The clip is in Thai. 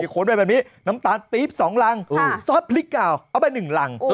ขนไปแบบนี้น้ำตาลปี๊บ๒รังซอสพริกเก่าเอาไป๑รัง